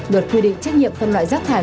được quy định trách nhiệm phân loại rác thải